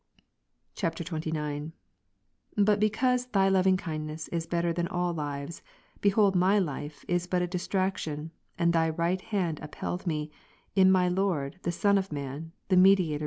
Ps. 03, 3. [XXIX.] 39. But because Thy loving kindness is better than ver. 8. ^11 lives, behold, my life is but a distraction, and Thy right 1 Tim. hand upheld me, in my Lord the Son of man, the Mediator 2,5.